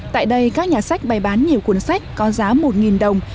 tại đây các nhà sách bày bán nhiều cuốn sách có giá một đồng